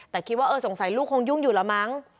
แต่คิดว่าเออสงสัยลูกคงยุ่งอยู่แล้วมั้ง